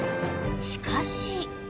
［しかし］